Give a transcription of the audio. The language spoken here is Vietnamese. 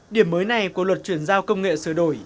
điểm mới này của luật chuyển giao công nghệ sửa đổi